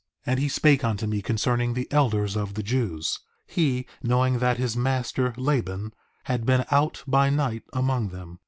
4:22 And he spake unto me concerning the elders of the Jews, he knowing that his master, Laban, had been out by night among them.